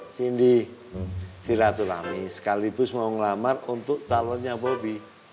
cindy si ratulami sekaligus mau ngelamar untuk calonnya bobby